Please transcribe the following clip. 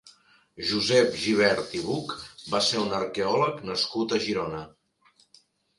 Josep Gibert i Buch va ser un arqueòleg nascut a Girona.